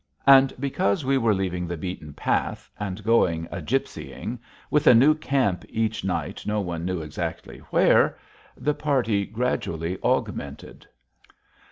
And, because we were leaving the beaten path and going a gypsying, with a new camp each night no one knew exactly where, the party gradually augmented.